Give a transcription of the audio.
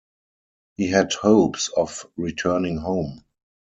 He had hopes of returning home.